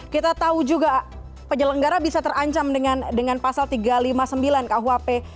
kita tahu juga penyelenggara bisa terancam dengan pasal tiga ratus lima puluh sembilan kuhp